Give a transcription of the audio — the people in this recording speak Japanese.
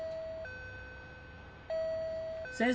先生！